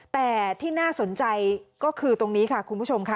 แต่ที่น่าสนใจก็คือตรงนี้ค่ะคุณผู้ชมค่ะ